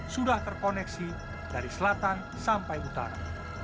sudah terkoneksi dari selatan sampai utara